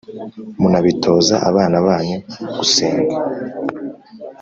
Munabitoza abana banyu gusenga